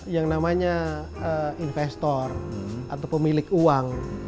yang namanya investor atau pemilik uang